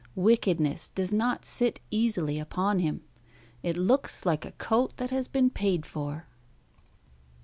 Wickedness does not sit easily upon him. It looks like a coat that has been paid for."